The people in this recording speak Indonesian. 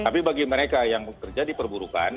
tapi bagi mereka yang terjadi perburukan